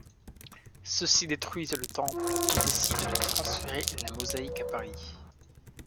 Ceux-ci détruisent le temple et décident de transférer la mosaïque à Paris.